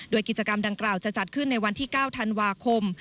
โดยกิจกรรมดังกล่าวจะจัดขึ้นในวันที่๙ธันวาคม